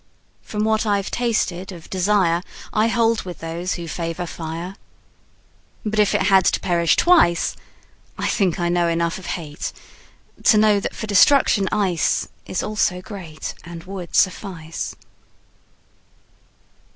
From what I've tasted of desireI hold with those who favor fire. But if it had to perish twice,I think I know enough of hateTo know that for destruction iceIs also greatAnd would suffice.